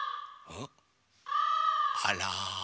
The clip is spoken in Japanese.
あら。